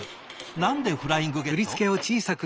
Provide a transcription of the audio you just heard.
何で「フライングゲット」？